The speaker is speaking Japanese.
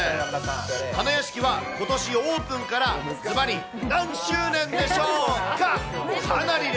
花やしきは、ことしオープンからずばり何周年でしょうか？